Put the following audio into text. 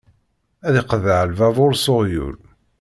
Ad iqḍeɛ lbabuṛ s uɣyul.